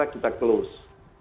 jadi kita sudah close